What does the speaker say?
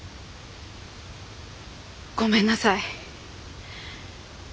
ごめんなさい。